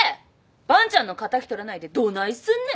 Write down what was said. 伴ちゃんの敵とらないでどないすんねん！